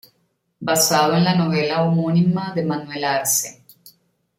Basado en la novela homónima de Manuel Arce.